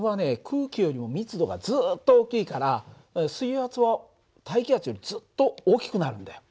空気よりも密度がずっと大きいから水圧は大気圧よりずっと大きくなるんだよ。